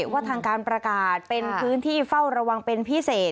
ว่าทางการประกาศเป็นพื้นที่เฝ้าระวังเป็นพิเศษ